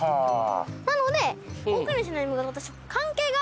なので。